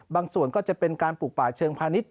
ส่วนก็จะเป็นการปลูกป่าเชิงพาณิชย